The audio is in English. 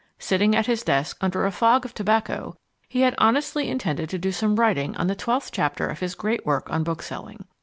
Sitting at his desk under a fog of tobacco, he had honestly intended to do some writing on the twelfth chapter of his great work on bookselling.